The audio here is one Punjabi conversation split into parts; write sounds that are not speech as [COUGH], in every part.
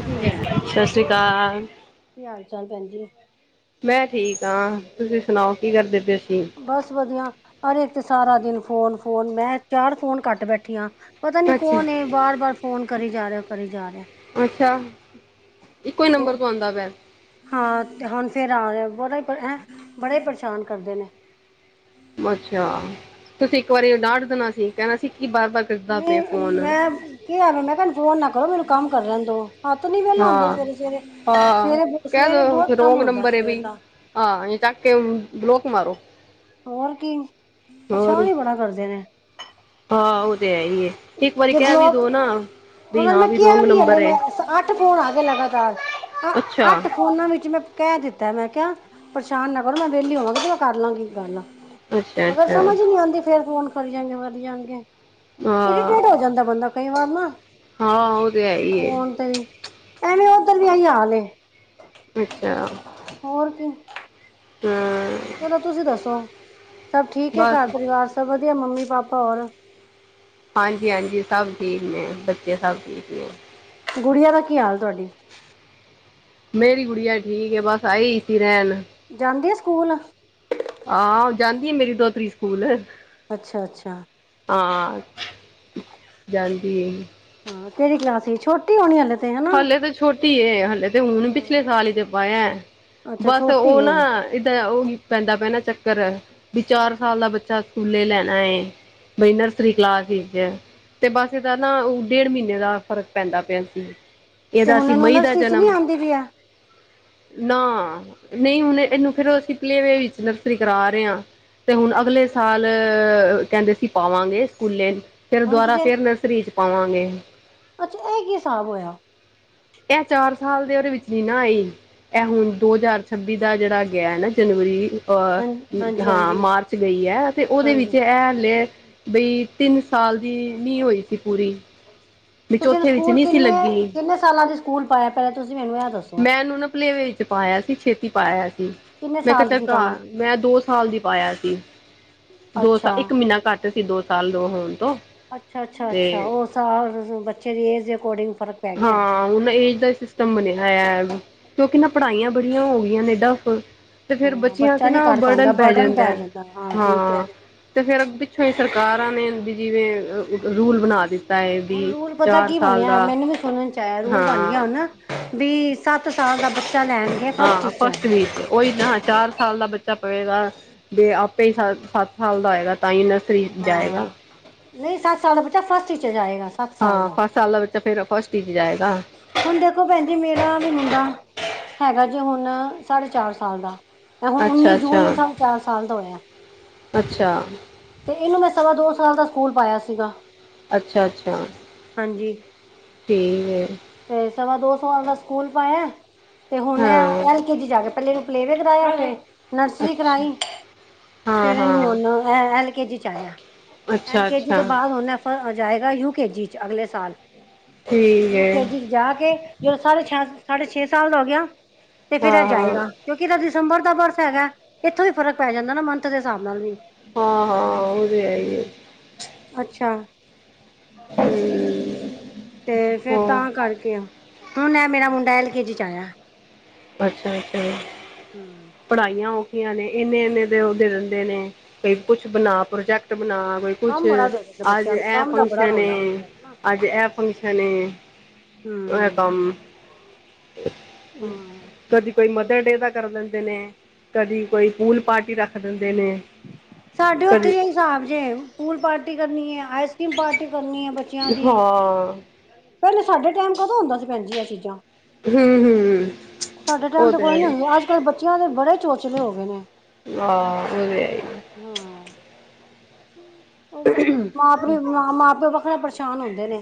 ਭੈਣ ਜੀ ਸਤਿ ਸ਼੍ਰੀ ਅਕਾਲ। ਕੀ ਹਾਲ-ਚਾਲ ਭੈਣਜੀ। ਤਾਂ ਬਸ ਵਧੀਆ, ਅਰੇ ਇੱਕ ਤੇ ਸਾਰਾ ਦਿਨ ਫੋਨ-ਫੋ ਫੋਨ ਮੈਂ ਚਾਰ ਫੋਨ ਘੱਟ ਬੈਠੀ ਆਂ, ਪਤਾ ਨੀ ਅੱਛਾ ਕੌਣ ਏ ਬਾਰ-ਬਾਰ ਫੋਨ ਕਰੀ ਜਾ ਰਿਆ। ਕਰੀ ਜਾ ਰਿਹਾ ਹੈ। ਅੱਛਾ, ਇੱਕੋ ਹੀ ਰਿਹਾ। ਨੰਬਰ ਤੋਂ ਆਂਦਾ ਪਿਆ ਐ। ਹਾਂ ਤੇ ਹੁਣ ਫਿਰ ਆ ਰੇਹਾ, ਬੜਾ ਹੀ ਹੈਂ ਬੜੇ ਹੀ ਪਰੇਸ਼ਾਨ ਕਰਦੇ ਨੇ। ਅੱਛਾ, ਤੁਸੀਂ ਇੱਕ ਵਾਰੀ ਡਾਂਟ ਦੇਣਾ ਸੀ। ਕਹਿਣਾ ਸੀ ਕਿ ਬਾਰ ਬਾਰ ਕਰਦਾ ਪਿਆ ਨਹੀਂ ਫੋਨ ਮੈਂ ਕੀ ਐਵੇ ਮੈਂ ਕਿਹਾ ਫੋਨ ਨਾ ਕਰੋ ਮੈਨੂੰ ਕੰਮ ਕਰ ਲੈਣ ਦੋ। ਹੱਥ ਨੀ ਵਿਹਲਾ ਆਉਂਦਾ ਹਾਂ ਸਵੇਰੇ-ਸਵੇਰੇ, ਹਾਂ ਕਹਿ ਸਵੇਰੇ-ਸਵੇਰੇ ਦੋ ਬਹੁਤ ਕੰਮ ਰੋਂਗ ਹੁੰਦਾ ਨੰਬਰ ਹੈ ਸਵੇਰ ਬਈ ਦਾ। ਹਾਂ, ਇਹਨੂੰ ਚੱਕ ਕੇ ਬਲੋਕ ਮਾਰੋ। ਹੋਰ ਕੀ ਪਰੇਸ਼ਾਨ ਹੋਰ ਹੀ ਬੜਾ ਕਰਦੇ ਨੇ। ਹਾਂ ਉਹ ਤੇ ਹੈ ਹੀ ਏ, ਇੱਕ ਵਾਰੀ ਜੇ ਕਹ ਵੀ ਬਲੋਕ ਦੋ ਨਾ। ਵੀ ਉਹਨਾਂ ਨੂੰ ਹਾਂ ਮੈਂ ਕਿਹਾ ਰੋਂਗ ਵੀ ਨੰਬਰ ਹਲੇ, ਹੈ ਮੈਂ ਅੱਠ ਫੋਨ ਆ ਗਏ ਲਗਾਤਾਰ। ਅੱਛਾ ਅੱਠ ਫੋਨਾ ਵਿੱਚ ਮੈਂ ਕਹਿ ਦਿੱਤਾ ਮੈਂ ਕਿਹਾ ਪਰੇਸ਼ਾਨ ਨਾ ਕਰੋ ਮੈਂ ਵਿਹਲੀ ਹੋਵਾਂਗੀ ਤੇ ਮੈਂ ਕਰ ਲਾਂਗੀ ਗੱਲ, ਅੱਛਾ ਮਗਰ ਅੱਛਾ ਸਮਝ ਨੀ ਆਦੀ ਫੇਰ ਫੋਨ ਕਰੀ ਜਾਣਗੇ, ਕਰੀ ਜਾਣਗੇ ਹਾਂ ਇਰੀਟੇਟ ਹੋ ਜਾਂਦਾ ਬੰਦਾ ਕਈ ਵਾਰ ਨਾ ਹਾਂ ਉਹ ਤੇ ਹੈ ਹੀ ਹੈ ਫੋਣ ਤੇ ਵੀ ਐਵੇਂ ਉੱਧਰ ਵੀ ਏਹੀ ਹਾਲ ਏ। ਅੱਛਾ। ਹੋਰ ਕੀ। ਹੂੰ। ਚਲੋ ਤੁਸੀਂ ਦੱਸੋ ਸਭ ਠੀਕ ਹੈ ਬਸ ਘਰ-ਪਰਿਵਾਰ ਸਭ ਵਧੀ ਆ ਮੰਮੀ-ਪਾਪਾ ਹੋਰ ਹਾਂਜੀ-ਹਾਂਜੀ ਸਭ ਠੀਕ ਨੇ, ਬੱਚੇ ਸਭ ਠੀਕ ਨੇ। ਗੁੜੀਆਂ ਦਾ ਕੀ ਹਾਲ ਤੁਹਾਡੀ। ਮੇਰੀ ਗੁੜੀਆ ਠੀਕ ਏ ਬਸ, ਆਈ ਹੀ ਸੀ ਰਹਿਣ। ਜਾਂਦੀ ਏ ਸਕੂਲ। ਹਾਂ ਜਾਂਦੀ ਏ ਮੇਰੀ ਦੋਤਰੀ ਸਕੂਲ। ਅੱਛਾ-ਅੱਛਾ। ਹਾਂ ਜਾਂਦੀ ਏ। ਕੇਹੜੀ ਕਲਾਸ ਸੀ ਛੋਟੀ ਹੋਣੀ ਹੱਲੇ ਤਾਂ ਹਲੇ ਤਾਂ ਛੋਟੀ ਏ ਹਲੇ ਤੇ ਹੁਣ ਪਿਛਲੇ ਸਾਲ ਹੀ ਤੇ ਪਾਇਆ । ਅੱਛਾ ਬਸ ਛੋਟੀ ਉਹ ਨਾ ਹੈ ਏਦਾਂ ਉਹਹੀ ਪੈਂਦਾ ਪੈਣਾ ਚੱਕ- ਵੀ ਚਾਰ ਸਾਲ ਦਾ ਬੱਚਾ ਸਕੂਲੇ ਲੈਣਾ ਬਈ ਨਰਸਰੀ ਕਲਾਸ ਵਿੱਚ ਤੇ ਬਸ ਇਹਦਾ ਨਾ ਉਹ ਡੇਢ ਮਹੀਨੇ ਦਾ ਫ਼ਰਕ ਪੈਂਦਾ ਪਿਆ ਸੀ। ਤੇ ਇਹਦਾ ਹੁਣ ਸੀ ਇਹਨੂੰ ਮਈਦਾ ਨਰਸਰੀ ਚ ਨੀ ਜਨਮ ਆਉਂਦੀ ਪਈ ਆ ਨਾ- ਨਹੀਂ ਹੁਣ ਇਹਨੂੰ ਫੇਰ ਅਸੀਂ ਪਲੇਵੇ ਵਿੱਚ ਨਰਸਰੀ ਕਰਾ ਰਹੇ ਹਾਂ- ਤੇ ਹੁਣ ਅਗਲੇ ਸਾਲ ਕਹਿੰਦੇ ਸੀ ਪਾਵਾਂਗੇ ਸਕੂਲੇ- ਫਿਰ ਹੁਣ ਦੁਬਾਰਾ ਤੁਸੀਂ ਫੇਿਰ ਨਰਸਰੀ ਚ ਪਾਵਾਂਗੇ- ਅੱਛਾ ਇਹ ਕੀ ਹਿਸਾਬ ਹੋਇਆ? ਇਹ ਚਾਰ ਸਾਲ ਦੇ ਉਹਦੇ ਵਿੱਚ ਨ ਨਾ ਆਈ ਇਹ ਹੁਣ ਦੋ ਹਜ਼ਾਰ ਛੱਬੀ ਦਾ ਜਿਹੜਾ ਗਿਆ ਹੈ ਨਾ ਜਨਵਰੀ- ਹਾਂ ਅਹ ਹਾਂਜੀ ਹਾਂ ਹਾਂਜੀ ਮਾਰਚ ਗਈ ਐ‌ ਤੇ ਉਹਦੇ ਹਾਂਜੀ ਵਿੱਚ ਇਹ ਹੱਲੇ- ਬਈ ਤਿੰਨ ਸਾਲ ਦੀ ਨਹੀ ਹੋਈ ਸੀ ਪੂਰੀ- ਵੀ ਤੁਸੀਂ ਇਹਨੂੰ ਚੌਥੇ ਵਿੱਚ ਸਕੂਲ ਨਹੀਂ ਸੀ ਕਿੰਨੇ ਲੱਗੀ ਕਿੰਨੇ ਸਾਲਾਂ ਦੇ ਸਕੂਲ ਪਾਇਆ ਪਹਿਲਾਂ ਤੁਸੀਂ ਮੈਨੂੰ ਇਹ ਦੱਸੋ ਮੈਂ ਇਹਨੂੰ ਨਾ ਪਲੇ੍ਹਵੇ ਵਿੱਚ ਪਾਇਆ ਸੀ। ਛੇਤੀ ਪਾਇਆ ਸੀ ਕਿੰਨੇ ਮੈਂ ਸਾਲ ਦੀ ਸੀ ਤਾਂ ਕਤਰਕਾਰ ਮੈਂ ਦੋ ਸਾਲ ਦੀ ਪਾਇਆ ਸੀ- ਦੋ ਸਾ ਇੱਕ ਮਹੀਨਾ ਘੱਟ- ਸੀ ਦੋ ਸਾਲ ਦੋ ਹੋਣ ਤੋਂ ਤੇ ਅੱਛਾ-ਅੱਛਾ-ਅੱਛਾ ਉਹ ਸ ਬੱਚੇ ਦੀ ਏਜ ਦੇ ਅਕੋਰਡਿੰਗ- ਫ਼ਰਕ ਪੈ ਗਿਆ ਹਾਂ ਹੁਣ ਏਜ ਦਾ ਸਿਸਟਮ ਬਣਿਆ ਹੋਇਆ। ਕਿਉਂਕਿ ਨਾ ਪੜ੍ਹਾਈਆਂ ਬੜੀਆਂ ਹੋ ਗਈਆਂ ਨੇ ਟੱਫ ਤੇ ਫੇਰ ਹਾਂ ਬੱਚਿਆਂ ਬੱਚਾ ਤੇ ਨੀ ਨਾ ਕਰ ਬਰਡਨ ਪਾਉਂਦਾ ਪੈ ਜਾਂਦਾ ਹੈ ਠੀਕ ਹੈ ਹਾਂ ਤੇ ਫੇਰ ਪਿੱਛੋਂ ਹੀ- ਸਰਕਾਰਾਂ ਨੇ ਵੀ ਜਿਵੇਂ ਰੂਲ ਬਣਾ ਦਿੱਤਾ ਹੈ ਵੀ ਚਾਰ ਸਾਲ ਦਾ- ਸੁਣਣ ਚ ਆਯਾ ਰੂਲ ਬਣ ਗਿਆ ਹਾਂ ਹੁਣ ਬੀ ਸੱਤ ਸਾਲ ਦਾ ਬੱਚਾ- ਲੈਣਗੇ ਹਾਂ ਫਸਟ ਟੀਚਰ ਵੀਕ ਚ ਉਹੀ ਨਾ ਚਾਰ ਸਾਲ ਦਾ ਬੱਚਾ ਪਵੇਗਾ ਜੇ ਆਪ- ਸੱਤ ਸਾਲ ਦਾ ਹੋਏਗਾ ਤਾਂ ਹੀ ਨਰਸਰੀ ਜਾਏਗਾ। ਹਾਂ ਨਹੀਂ ਸੱਤ ਸਾਲ ਦਾ ਬੱਚਾ ਫਸਟ ਇਚ ਜਾਏਗਾ ਸੱਤ ਸਾਲ ਹਾਂ ਦਾ ਫਸਟ ਸਾਲ ਬੱਚਾ ਫਿਰ ਫਸਟ ਵਿੱਚ ਜਾਏਗਾ ਹਾਂ ਹੁਣ ਦੇਖੋ ਪੈਣਜੀ ਮੇਰਾ ਵੀ ਮੁੰਡਾ- ਹੈਗਾ ਜੇ ਹੁਣ ਸਾਢੇ ਚਾਰ ਸਾਲ ਦਾ ਮ ਹੁਣ ਉੱਨੀ ਅੱਛਾ ਅੱਛਾ ਜੂਨ ਨੂੰ ਸਾਡੇ ਚਾਰ ਸਾਲ ਦਾ ਹੋਇਆ ਅੱਛਾ ਤੇ ਇਹਨੂੰ ਮੈਂ ਸਵਾ ਦੋ ਸਾ- ਸਾਲ ਦਾ ਸਕੂਲ ਪਾਇਆ ਸੀਗਾ- ਅੱਛਾ-ਅੱਛਾ ਹਾਂਜੀ ਠੀਕ ਏ। ਤੇ ਸਵਾ ਦੋ ਸਾਲ ਦਾ ਸਕੂਲ ਪਾਇਆ ਤੇ ਹੁਣ ਹਾਂ ਐਲ ਕੇ ਜੀ ਜਾ ਕੇ- ਪਹਿਲੇ ਨੂੰ ਪਲੇਅ ਵੇਅ ਕਰਾਇਆ ਹਲੇ। ਨਰਸਰੀ ਅੱਛਾ ਕਰਾਈ ਹਾਂ ਫੇਰ ਇਹਨੂੰ ਹਾਂ ਹੁਣ ਐਲ ਕੇ ਜੀ ਚ ਆਇਆ- ਐਲ ਅੱਛਾ ਕੇ ਜੀ ਅੱਛਾ ਤੋਂ ਬਾਅਦ ਹੁਣ ਜਾਏਗਾ ਯੂਕੇ ਜੀ ਚ ਅਗਲੇ ਸਾਲ ਠੀਕ ਯੂ ਏ। ਕੇ ਜੀ ਜਾ ਕੇ ਜਦ ਸਾਢੇ ਛੇ ਸਾਢੇ ਛੇ ਸਾਲ ਦਾ ਹੋ ਗਿਆ। ਤੇ ਫੇਰ ਆ ਹਾਂ ਹਾਂ ਜਾਏਗਾ ਕਿਉਂਕਿ ਇਹਨਾਂ ਦੀ- ਦਸੰਬਰ ਦਾ ਬਰਥ ਹੈਗਾ ਇੱਥੋਂ ਵੀ ਫਰਕ ਪੈ ਜਾਂਦਾ ਨਾ ਮੰਥ ਦੇ ਹਿਸਾਬ ਨਾਲ ਵੀ- ਹਾਂ ਹਾਂ, ਉਹ ਤੇ ਹੈ ਹੀ ਐ- ਅੱਛਾ, ਹੂੰ, ਤੇ ਫੇਰ ਹਾਂ ਤਾਂ ਕਰਕੇ ਹੁਣ ਮੇਰਾ ਮੁੰਡਾ ਐਲ ਕੇ ਜੀ ਆਇਆ- ਅੱਛਾ-ਅੱਛਾ ਹੂੰ ਪੜ੍ਹਾਈਆਂ ਨੇ ਇੰਨੇ ਇੰਨੇ ਏਦੇ ਉਹਦੇ ਦਿੰਦੇ ਨੇ ਕੀ ਕੁਛ ਬਣਾ ਪ੍ਰੋਜੈਕਟ- ਬਣਾ ਕੋਈ ਕੁਛ ਕੰਮ ਬੜਾ ਦੇ ਦਿੰਦੇ ਅੱਜ ਬੱਚਿਆਂ ਨੂੰ ਐ ਕੰਮ ਦਾ ਬੜਾ ਫੰਕਸ਼ਨ ਰੋਲਾ ਐ- ਬੱਚਿਆਂ ਦਾ ਨਾ ਅੱਜ ਇਹ ਫੰਕਸ਼ਨ ਏ ਹੂੰ ਕੰਮ- ਹੂੰ, ਹਾਂ ਕਦੀ ਕੋਈ ਮਦਰ ਡੇ ਦਾ ਕਰ ਲੈਂਦੇ ਨੇ ਕਦੀ ਕੋਈ ਪੂਲ ਪਾਰਟੀ ਰੱਖ ਦਿੰਦੇ- ਨੇ ਸਾਡੇ ਉੱਥੇ ਕਦੇ ਵੀ ਏਹੀ ਸਾਬ ਜੇ ਪੂਲ ਪਾਰਟੀ ਕਰਨੀ ਐ ਆਈਸ ਕਰ੍ਰੀਮ ਪਾਰਟੀ ਕਰਨੀ ਐ ਬੱਚੇ- ਹਾਂ, ਪਹਿਲੇ ਸਾਡੇ ਟਾਈਮ ਕਦੋਂ ਹੁੰਦਾ ਸੀ ਭੈਣਜੀ ਇਹ ਚੀਜ਼ਾਂ ਹੂੰ-ਹੂੰ ਸਾਡੇ ਟਾਈਮ ਤੇ ਕੋਈ ਨੀ ਹੁੰਦਾ ਅੱਜ ਕੱਲ੍ਹ ਬੱਚਿਆਂ ਦੇ ਬੜੇ ਚੋਚਲੇ ਹੋ ਗਏ ਨੇ। ਆਹ ਉਹ ਤੇ ਹੈਈ ਏ। ਮਾਂ-ਪਿਓ ਮਾਂ-ਪਿਓ ਵੱਖਰੇ ਪਰੇਸ਼ਾਨ ਹੁੰਦੇ ਨੇ।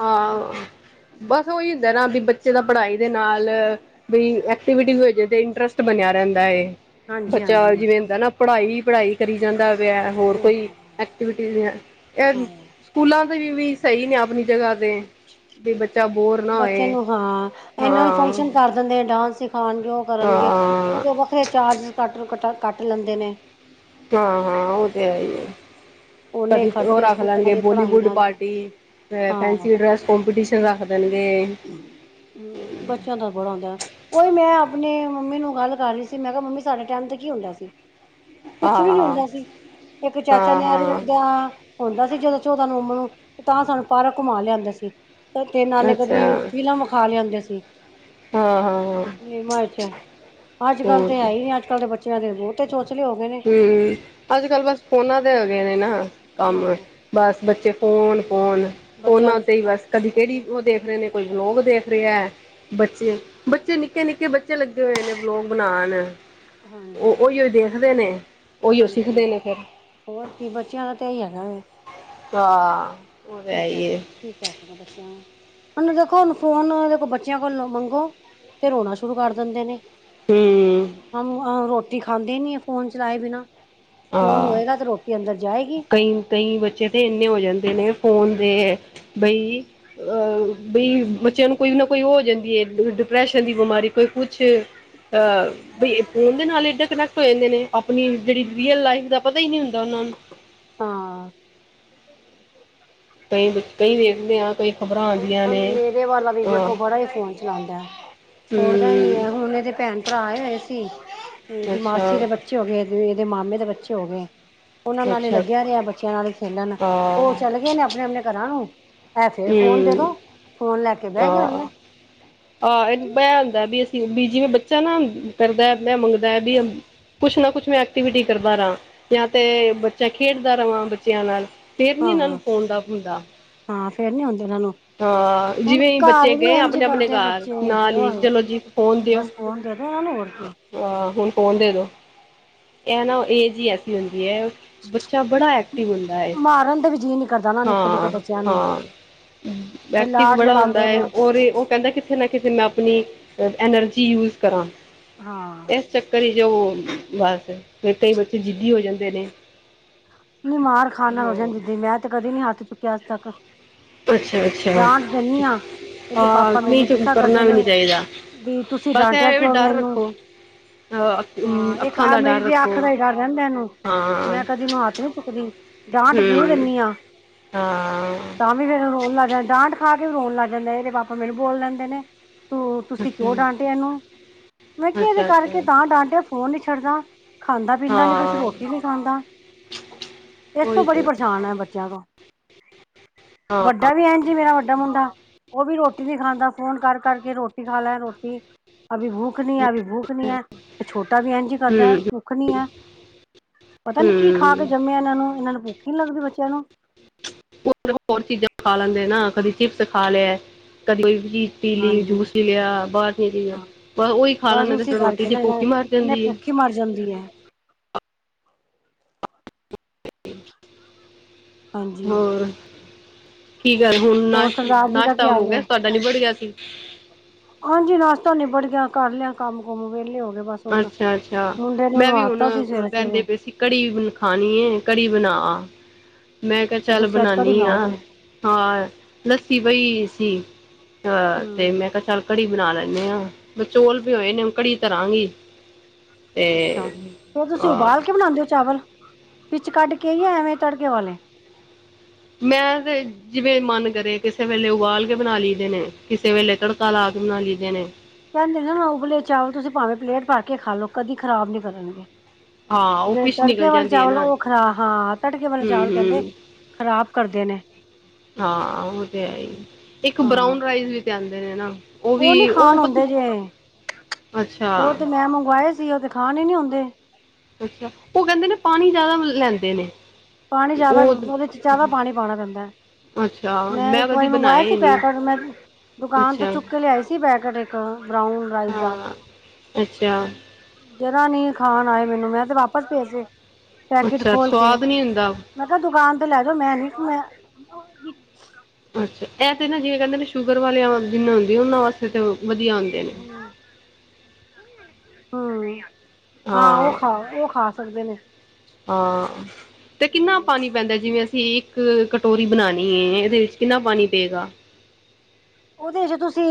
ਆਹ। ਬਸ ਉਹੀ ਹੁੰਦਾ ਨਾ ਬੀ ਬੱਚੇ ਦਾ ਪੜ੍ਹਾਈ ਦੇ ਨਾਲ ਬੀ ਐਕਟੀਵਿਟੀ ਹੋਜੇ ਤੇ ਇੰਟਰਸਟ ਬਣੇ। ਰਹਿੰਦਾ ਐ ਹਾਂਜੀ ਬੱਚਾ ਹਾਂਜੀ ਦਾ ਜਿਵੇਂ ਹੁੰਦਾ ਨਾ ਪੜ੍ਹਾਈ-ਪੜ੍ਹਾਈ ਕਰੀ ਜਾਂਦਾ। ਹੋਰ ਹਾਂ ਕੋਈ ਹਾਂ ਐਕਟੀਵਿਟੀ ਇਹ ਹਾਂ ਸਕੂਲਾਂ ਦੇ ਵੀ ਸਹੀ ਨੇ ਆਪਣੀ ਜਗ੍ਹਾ ਤੇ ਵੀ ਬੱਚਾ ਬੋਰ ਨਾ ਬੱਚਿਆਂ ਹੋਏ ਨੂੰ ਹਾਂ ਇਹਨਾਂ ਨੂੰ ਹਾਂ ਫੰਕਸ਼ਨ ਕਰ ਦਿੰਦੇ ਆ ਡਾਂਸ ਖਾਣਗੇ ਉਹ ਕਰਨਗੇ ਹਾਂ ਉਹਦੇ ਵੱਖਰੇ ਚਾਰਜ ਕੱਟ ਕੱਟ ਕੱਟ ਲੈਂਦੇ ਨੇ। ਹਾਂ-ਹਾਂ, ਉਹ ਤੇ ਹੈ ਹੀ ਆ। ਓਨੇ ਕਦੇ ਉਹ ਖਰਚੇ ਰੱਖ ਸਕੂਲਾਂ ਲੈਣਗੇ ਦੇ ਬੋਲੀਵੁੱਡ ਪੜ੍ਹਾਈਆਂ ਦੇ ਪਾਰਟੀ ਹਾਂ ਫੈਸੀ ਡਰੈਸ ਕਪੀਟੀਸ਼ਨ ਰੱਖਦੇ ਨੇ। [UNINTELLIGIBLE] ਹੂੰ, ਬੱਚਿਆਂ ਦਾ ਬੜਾ ਹੁੰਦਾ ਉਹੀ ਮੈਂ ਆਪਣੇ ਮੰਮੀ ਨੂੰ ਗੱਲ ਕਰ ਰਹੀ ਸੀ ਮੈਂ ਕਿਹਾ ਮੰਮੀ ਸਾਡੇ ਟਾਈਮ ਤੇ ਕੀ ਹੁੰਦਾ ਸੀ। ਕੁਛ ਹਾਂ ਵੀ ਨੀ ਹਾਂ ਹੁੰਦਾ ਸੀ ਇੱਕ ਚਾਚਾ ਨਹਿਰੂ ਹਾਂ ਦਾ ਹੁੰਦਾ ਸੀ ਜਦੋਂ ਚੌਦਾਂ ਨਵੰਬਰ ਨੂੰ ਤਾਂ ਸਾਨੂੰ ਪਾਰਾਂ ਘੁੰਮਾ ਲਿਆਂਦਾ ਸੀ ਤੇ ਤੇ ਨਾਲੇ ਅੱਛਾ ਕਦੀ ਫਿਲਮ ਵਿਖਾ ਲਿਆਂਦੇ ਸੀ। ਹਾਂ ਹਾਂ ਹੋਰ ਫਿਲਮਾਂ ਵਿੱਚ ਅੱਜ ਕੱਲ੍ਹ ਤੇ ਹੈ ਹੀ ਨੀ ਅੱਜ ਕੱਲ ਦੇ ਬੱਚਿਆਂ ਦੇ ਬਹੁਤੇ ਚੋਚ ਹੂੰ, ਅੱਜ ਕੱਲ ਬਸ ਫੋਨਾਂ ਦੇ ਹੈਗੇ ਨੇ ਨਾ ਕੰਮ ਹਾਂ ਬਸ ਬੱਚੇ ਫੋਨ-ਫੋਨ ਬੱਚਿਆਂ ਫੋਨਾਂ ਨੂੰ ਉੱਤੇ ਹੀ ਬਸ ਕਦੀ ਕਿਹੜੀ ਉਹ ਦੇਖ ਰਹੇ ਨੇ ਕੋਈ ਬਲੋਕ ਦੇਖ ਹਾਂ, ਬੱਚੇ-ਬੱਚੇ ਨਿੱਕੇ ਨਿੱਕੇ ਬੱਚੇ ਲੱਗੇ ਹੋਏ ਨੇ ਬਲੋਗ ਬਣਾਣ ਹਾਂਜੀ, ਰਹਿੰਦੇ ਨੇ ਉਹੀਓ ਹਾਂਜੀ, ਸਿੱਖਦੇ ਨੇ ਫਿਰ ਹੋਰ ਕੀ ਬੱਚਿਆਂ ਦਾ ਤੇ ਇਹੀ ਹੈਗਾ ਵੈ। ਆ, ਠੀਕ ਆ ਕੀ ਕਹਿ ਸਕਦਾ ਆ ਬੱਚਿਆਂ ਨੂੰ [INAUDIBLE] ਉਹਨੂੰ ਦੇਖੋ ਹੁਣ ਫੋਨ ਦੇਖੋ ਬੱਚਿਆਂ ਕੋਲ ਮੰਗੋ ਤੇ ਰੋਣਾ ਸ਼ੁਰੂ ਕਰ ਦਿੰਦੇ ਨੇ। ਹਮ ਹੂੰ, ਆਹ ਰੋਟੀ ਖਾਂਦੇ ਨੀ ਆ ਫੋਨ ਚਲਾਏ ਬਿਨਾਂ ਫੋਨ ਹਾਂ ਹੋਏਗਾ ਤੇ ਰੋਟੀ ਅੰਦਰ ਜਾਏਗੀ। ਕਈ -ਕਈ ਬੱਚੇ ਤੇ ਇੰਨੇ ਹੋ ਜਾਂਦੇ ਨੇ। ਹੋਣ ਦੇ ਬਈ ਅਹ ਬਈ ਬੱਚਿਆਂ ਨੂੰ ਕੋਈ ਨਾ ਕੋਈ ਹੋ ਜਾਂਦੀ ਏ। ਡਿਪਰੈਸ਼ਨ ਦੀ ਬਿਮਾਰੀ ਕੋਈ ਕੁਛ ਅ ਬੀ ਫੋਨ ਦੇ ਨਾਲ ਏਡਾ ਕਨੈਕ ਦੇ ਨੇ ਆਪਣੀ ਜਿਹੜੀ ਰੀਅਲ ਲਾਈਫ ਦਾ ਪਤਾ ਹੀ ਨਹੀਂ ਹੁੰਦਾ ਉਹਨਾਂ ਨੂੰ ਹਾਂ ਕਈ ਕਈ ਵੇਖਦੇ ਆ ਕਈ ਖ਼ਬਰਾਂ ਆਉਂਦੀਆਂ ਨੇ ਮੇਰੇ ਵਾਲਾ ਵੀ ਹਾਂ ਵੇਖੋ ਬੜਾ ਫੋਨ ਚਲਾਂਦਾ। ਛੋੜਦਾ ਹੀ ਨ ਹਮ ਹੈ ਹੁਣ ਉਹ ਦੇ ਭੈਣ ਭਰਾ ਹੋਏ ਸੀ ਇਹਦੀ ਮਾਸੀ ਅੱਛਾ ਦੇ ਬੱਚੇ ਹੋ ਗਏ। ਇਹਦੇ ਮਾਮੇ ਦੇ ਬੱਚੇ ਹੋ ਗਏ ਉਹਨਾਂ ਨਾਲ ਹੀ ਲੱ ਅੱਛਾ ਰਿਹਾ ਬੱਚਿਆਂ ਨਾਲ ਹੀ ਖੇਲਣ ਹਾਂ ਉਹ ਚਲੇ ਗਏ ਨੇ ਆਪਣੇ -ਆਪਣੇ ਘਰਾਂ ਨੂੰ ਇਹ ਫੇਰ ਫੋਨ ਦੇ ਹੂੰ ਦੋ ਫੋਨ ਲੈ ਕੇ ਬਹਿ ਗਿਆ ਆਹ- ਉਹਨੇ ਆਹ ਇਹਨੂੰ ਪਿਆ ਹੁੰਦਾ ਵੀ ਬ ਜਿਵੇਂ ਬੱਚਾ ਨਾ ਕਰਦਾ ਮੈਂ ਮੰਗਦਾ ਹੈ ਬੀ ਕੁਛ ਨਾ ਕੁਛ ਮੈਂ ਐਕਟੀਵਿਟੀ ਕਰਦਾ ਰਹਾਂ ਜਾਂ ਤੇ ਬੱਚਾ ਖੇਡਦਾ ਰਵਾਂ ਬੱਚਿਆਂ ਨਾਲ ਫਿਰ ਨੀ ਇਹਨਾਂ ਨੂੰ ਹਾਂ। ਫੋਨ ਦਾ ਹੁੰਦਾ। ਹਾਂ ਫੇਰ ਨੀ ਹੁੰਦੇ ਇਹਨਾਂ ਨੂੰ ਹਾਂ ਹੁਣ ਜਿਵੇਂ ਹੀ ਬੱਚੇ ਘਰ ਵੀ ਗਏ ਇੰਝ ਆਪਣੇ ਆਪਣੇ ਕਰਦੇ ਆ ਘਰ ਬੱਚੇ ਨਾਲ ਹੀ ਹੋਰ ਚਲੋ ਜੀ ਫੋਨ ਦਿਓ ਬਸ ਫੋਨ ਦੇ ਦੇ ਹਾਂ ਹੁਣ ਫੋਨ ਦੇ ਦੋ ਇਹ ਨਾ ਏਜ ਹੀ ਐਸੀ ਹੁੰਦੀ। ਬੱਚਾ ਬੜਾ ਐਕਟਿਵ ਹੁੰਦਾ ਏ। ਮਾਰਨ ਤੇ ਵੀ ਜੀਅ ਨੀ ਕਰਦਾ ਨਾ ਨਿੱਕੇ ਨਿੱਕੇ ਹਾਂ- ਬੱਚਿਆਂ ਨੂੰ ਹਾਂ ਫਿਰ ਐਕਟਿਵ ਵੀ ਲਾਡ ਬੜਾ ਹੁੰਦਾ ਲੜਾਂਦੇ ਨੇ ਹੈ ਔਰ ਉਹ ਕਹਿੰਦਾ ਕਿਥੇ ਨਾ ਕਿਥੇ ਮੈਂ ਆਪਣੀ ਐਨਰਜੀ ਯੂਜ ਕਰਾਂ ਹਾਂ ਇਸ ਚੱਕਰ ਵਿੱਚ ਉਹ ਬਸ ਫਿਰ ਕਈ ਬੱਚੇ ਜਿੱਦੀ ਹੋ ਜਾਂਦੇ ਨੇ। ਨੀ ਮਾਰ ਖਾਣ ਨਾਲ ਹੋ ਹਾਂ ਜਾਂਣ ਜਿੱਦੀ ਮੈਂ ਤੇ ਕਦੇ ਨੀ ਹੱਥ ਚੁੱਕਿਆ ਅੱਜ-ਤੱਕ। ਅੱਛਾ ਅੱਛਾ ਡਾਂਟ ਦੇਣੀ ਹਾਂ ਇਹਦੇ ਹਾਂ ਪਾਪਾ ਨਹੀਂ ਮੈਨੂੰ ਤੇ ਗੁੱਸਾ ਕਰਦੇ ਕਰਨਾ ਵੀ ਨੇ। ਨਹੀਂ ਚਾਹੀਦਾ ਵੀ ਤੁਸੀਂ ਬਸ ਡਾਂਟਿਆ ਇਹ ਵੀ ਕਿਉ ਵੇ ਡਰ ਇਨੂੰ ਰੱਖੋ ਅ, ਅੱਖ- ਅਮ, ਹਾਂ ਇੱਕ ਅੱਖਾਂ ਆ ਦਾ ਡਰ ਮੇਰੀ ਤੇ ਰੱਖੋ ਅੱਖ ਦਾ ਹੀ ਡਰ ਰਹਿੰਦ ਏਨੂੰ ਹਾਂ ਮੈਂ ਕਦੀ ਏਨੂੰ ਹੱਥ ਨੀ ਚੁੱਕਦੀ। ਡਾਂਟ ਜਰੂਰ ਹੂੰ ਦਿੰਣੀ ਆ ਹਾਂ ਤਾਂ ਵੀ ਫੇਰ ਰੋਣ ਲੱਗ ਜਾਂਦੀ ਡਾਂਟ ਖਾ ਕੇ ਰੋਣ ਲੱਗ ਜਾਂਦੇ ਨੇ ਇਹਦੇ ਪਾਪਾ ਮੈਨੂੰ ਬੋਲ ਦੇਂਦੇ ਨੇ। ਤੂੰ ਤੁਸੀਂ ਕਿਉਂ ਅੱਛਾ ਡਾਂਟਿਆ ਇਹਨੂੰ ਮੈਂ ਕਿਹਾ ਇਹਦੇ ਅੱਛਾ ਕਰਕੇ ਅੱਛਾ ਤਾਂ ਡਾਂਟਿਆ ਫੋਨ ਨੀ ਛੱਡਦਾ। ਖਾਂਦਾ ਪੀਂਦਾ ਨੀ ਕੁੱਛ ਹਾਂ ਰੋਟੀ ਨਹੀਂ ਖਾਂਦਾ। ਇਸ ਤੋਂ ਕੋਈ ਬੜੀ ਤੇ ਪਰੇਸ਼ਾਨ ਹੈ ਬੱਚਿਆਂ ਤੋਂ ਹਾਂ ਵੱਡਾ ਵੀ ਐੰਜ ਹੀ, ਮੇਰਾ ਵੱਡਾ ਮੁੰਡਾ ਉਹ ਵੀ ਰੋ ਟੀ ਨੀ ਖਾਂਦਾ, ਫੋਨ ਕਰ ਕਰਕੇ ਰੋਟੀ ਖਾ ਲੈ ਰੋਟੀ ਅਬੀ ਭੂਖ ਨੀ ਹੈ ਅਬੀ ਭੂਖ ਨੀ ਹੈ, ਤੇ ਛੋਟਾ ਵੀ ਇੰਝੀ ਕਰਦਾ ਹੂੰ ਭੁੱਖ ਨੀ ਹੈ। ਪਤਾ ਨੀ ਕੀ ਖਾ ਹੂੰ ਕੇ ਜੰਮਿਆ ਇਹਨਾਂ ਨੂੰ ਇਹਨਾਂ ਨੂੰ ਭੁੱਖ ਹੀ ਨੀ ਲੱਗਦੀ ਬੱਚਿਆਂ ਨੂੰ ਹੋਰ ਚੀਜ਼ਾਂ ਖਾ ਲੈਂਦੇ ਨਾ ਕਦੀ ਚਿਪਸ ਖਾ ਲਿਆ ਕਦੀ ਕੋਈ ਪੀ ਲਈ ਹਾਂਜੀ ਜੂਸ ਪੀ ਲਿਆ ਬਾਹਰ ਦੀ ਚੀਜਾਂ ਹਾਂ ਬੱਸ ਉਹੀ ਖਾ ਲੈਂਦੇ ਤੇ ਫਿਰ ਰੋਟੀ ਦੀ ਭੂਖ ਹੀ ਮਰ ਜਾਂਦੀ ਏ। ਭੂੱਖ ਈ ਮਰ ਜਾਂਦੀ ਏ। ਹਾਂਜੀ ਹੋਰ ਕੀ ਗੱਲ ਹੁਣ ਹੋਰ ਸਰਦਾਰ ਜੀ ਦਾ ਕੀ ਨਾਸ਼-ਨਾਸ਼ਤਾ ਹੋ ਹਾਲ ਗਿਆ ਹੈ ਸੀ ਤੁਹਾਡਾ ਨੀਬੜ ਗਿਆ ਸੀ। ਤਾ ਨੀਬੜ ਗਿਆ ਕਰ ਲਿਆ ਕੰਮ-ਕੁਮ ਵਿਹਲੇ ਹੋ ਗਏ ਬਸ ਹੁਣ ਅੱਛਾ-ਅੱਛਾ ਮੁੰਡੇ ਨੂੰ ਮੈਂ ਵੀ ਹੁਣ ਨਵਾਤਾ ਸੀ ਸਵੇਰੇ ਕਹਿੰਦੇ ਸਵੇਰੇ ਪਏ ਸੀ ਕੜੀ ਖਾਣੀ ਏ ਕੜੀ ਬਣਾ। ਹ ਮੈਂ ਕਿਹਾ ਤੇ ਚੱਲ ਤੁਸੀਂ ਅੱਜ ਕੜੀ ਬਣਾਣੀ ਆਂ- ਬਣਾਓਗੇ ਆਂ ਲੱਸੀ ਪਈ ਸੀ ਅਹ ਤੇ ਹਮ ਮੈਂ ਕਿਹਾ ਚੱਲ ਕੜੀ ਬਣਾ ਲੈਂਣੇ ਆਂ। ਚੋਲ ਭਿਔਏ ਨੇ ਕੜੀ ਤਰ੍ਹਾਂਗੀ। ਅੱਛਾ ਫਿਰ ਤੁਸੀਂ ਅਹ ਉਬਾਲ ਕੇ ਬਣਾਉਂਦੇ ਹੋ ਚਾਵਲ ਪੀੱਛ ਕੱਢ ਕੇ ਯਾਂ ਐਵੇਂ ਤੜਕੇ ਵਾਲੇ ਮੈਂ ਤੇ ਜਿਵੇਂ ਮਨ ਕਰੇ ਕਿਸੇ ਵੇਲੇ ਉਬਾਲ ਕੇ ਬਣਾ ਲਈ ਦੇ ਨੇ ਕਿਸੇ ਵੇਲੇ ਤੜਕਾ ਲਾ ਕੇ ਬਨਾ ਲਈ ਦੇ ਨੇ। ਕਹਿੰਦੇ ਨੇ ਉਬਲੇ ਚਾਵਲ ਤੁਸੀਂ ਭਾਵੇਂ ਪਲੇਟ ਭਰ ਕੇ ਖਾ ਲਓ ਕਦੀ ਖ਼ਰਾਬ ਨੀ ਕਰਨਗੇ। ਹਾਂ ਉਹ ਜੇੇ ਪਿੱਛ ਤੜਕੇ ਨਿਕਲ ਵਾਲੇ ਜਾਂਦੀ ਹੈ ਚਾਵਲ ਨਾ ਉਹ ਖਰਾ ਹਾਂ ਤੜਕੇ ਵਾਲੇ ਹੂੰ ਚਾਵਲ ਕਹਿੰਦੇ ਹੂੰ ਖ਼ਰਾਬ ਕਰਦੇ ਨੇ। ਹਾਂ ਉਹ ਤੇ ਹੈ ਹੀ, ਇੱਕ ਹਾਂ ਬਰਾਉਨ ਰਾਈਸ ਵੀ ਤੇ ਆਂਦੇ ਨੇ ਨਾ। ਉਹ ਨੀ ਖਾਣ ਹੁੰਦੇ ਜੇ, ਅੱਛਾ ਉਹ ਤੇ ਮੈਂ ਮੰਗਵਾਏ ਸੀ ਉਹ ਤੇ ਖਾਣ ਹੀ ਨੀ ਹੁੰਦੇ। ਅੱਛਾ, ਉਹ ਕਹਿੰਦੇ ਨੇ ਪਾਣੀ ਜਿਆਦਾ ਲੈਂਦੇ ਨੇ। ਪਾਣੀ ਜ਼ਿਆਦਾ ਉਹ ਉਹਦੇ ਚ ਜਾਦਾ ਪਾਣੀ ਪਾਣਾ ਪੈਂਦਾ ਏ। ਅੱਛਾ ਮੈਂ ਇੱਕ ਕਦੀ ਵਾਰੀ ਮੰਗਵਾਇਆ ਬਣਾਏ ਸੀ ਨਹੀਂ ਪੈਕਟ ਮੈਂ ਦੁਕਾਨ ਤੋਂ ਅੱਛਾ ਚੁੱਕ ਕੇ ਲੀਏ ਸੀ ਪੈਕੇਟ ਇੱਕ ਬਰਾਊਨ ਰਾਈਸ ਦਾ। ਹਾਂ ਅੱਛਾ। ਜਰਾਂ ਨੀ ਖਾਣ ਆਏ ਮੈਨੂੰ, ਮੈਂ ਤੇ ਵਾਪਸ ਭੇੇਜਤੇ ਪੈਕੇਟ ਅੱਛਾ ਖੋਲ ਕੇ। ਸਵਾਦ ਨਹੀਂ ਹੁੰਦਾ ਮੈਂ ਕਿਹਾ ਦੁਕਾਨ ਤੇ ਲੈਜੋ ਮੈਂ ਨੀ ਮੈਂ ਇਹ ਤੇ ਨਾ ਜਿਵੇ ਕਹਿੰਦੇ ਸ਼ੂਗਰ ਵਾਲਿਆਂ ਜਿੰਨੂ ਹੁੰਦੀ ਏ ਉਹਨਾ ਵਾਸਤੇ ਵਧੀਆ ਹੁੰਦੇ ਨੇ। [INAUDIBLE] ਹਮ, ਹਾਂ ਉਹ ਖਾ ਉਹ ਖਾ ਸਕਦੇ ਨੇ। ਹਾਂ, ਤੇ ਕਿੰਨਾ ਪਾਣੀ ਪੈਂਦਾ ਜਿਵੇਂ ਅ ਸੀ ਇੱਕ ਕਟੋਰੀ ਬਣਾਣੀ ਏ, ਇਹਦੇ ਵਿੱਚ ਕਿੰਨਾ ਪਾਣੀ ਪਏਗਾ। ਉਹਦੇ ਚ ਤੁਸੀਂ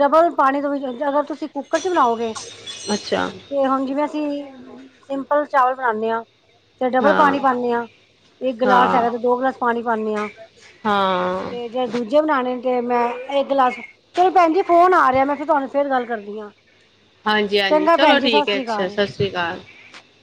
ਡਬਲ ਪਾਣੀ ਤੋਂ ਵੀ ਅਗਰ ਤੁਸੀਂ ਤੁਸੀਂ ਕੁੱਕਰ ਚ ਬਣਾਓਗੇ ਅੱਛਾ ਤੇ ਹੁਣ ਜਿਵੇਂ ਅਸੀਂ ਸਿੰਪਲ ਚਾਵਲ ਬਣਾਣੇ ਆਂ 'ਤੇ ਡਬਲ ਪਾਣੀ ਹਾਂ ਪਾਨੇ ਆਂ, ਇੱਕ ਗਿਲਾਸ ਹਾਂ ਹੈਗਾ ਤੇ ਦੋ ਗਿਲਾਸ, ਪਾਣੀ ਪਾਨੇ ਆਂ। ਹਾਂ! ਜੇ ਬਣਾਣੇ ਤੇ, ''ਮੈਂ ਇੱਕ ਗਲਾਸ! ਚਲੋ ਭੈਣ ਜੀ, ਫੋਨ ਆ ਰਿਹਾ, ''ਮੈਂ ਫਿਰ ਤੁਹਾਨੂੰ ਫੇਰ ਗੱਲ ਕਰਦੀ ਆਂ । ਹਾਂਜੀ-ਹਾਂਜੀ, ਚਲੋ ਠੀਕ ਹੈ । ਅੱਛਾ! ਅਕਾਲ ਸਤਿ ਸ੍ਰੀ ਅਕਾਲ ।